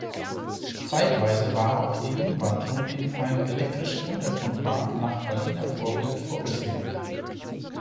Zeitweise war auch die Umwandlung in eine elektrische Untergrundbahn nach Berliner Vorbild vorgesehen.